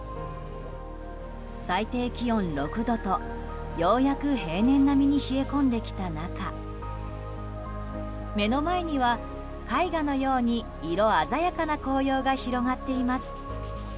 最低気温６度と、ようやく平年並みに冷え込んできた中目の前には絵画のように色鮮やかな紅葉が広がっています。